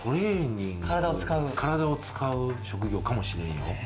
体を使う職業かもしれんよ。